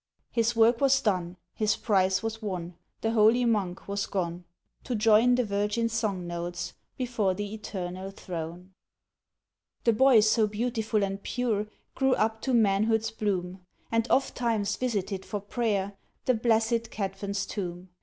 His work was done, his prize was won, The holy Monk was gone, To join the virgin song notes, Before th' Eternal Throne. The boy, so beautiful and pure, Grew up to manhood's bloom, And ofttimes visited for prayer The Blessed Cadfan's Tomb.